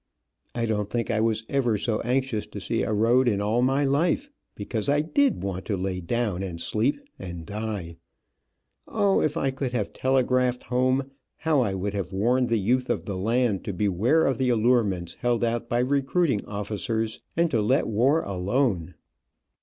I don't think I was ever so anxious to see a road in all my life, because I did want to lay down and sleep, and die. O, if I could have telegraphed home, how I would have warned the youth of the land to beware of the allurements held out by recruiting officers, and to let war alone.